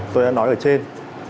tôi đã nói ở trên